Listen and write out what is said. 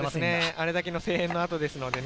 あれだけの声援の後ですからね。